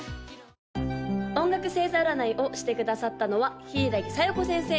・音楽星座占いをしてくださったのは柊小夜子先生！